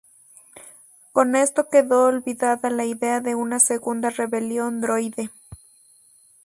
Con esto quedó olvidada la idea de una segunda rebelión droide.